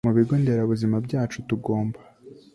Mu bigo nderabuzima byacu tugomba